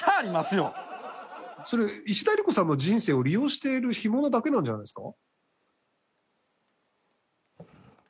それ石田ゆり子さんの人生を利用しているヒモなだけなんじゃないですか？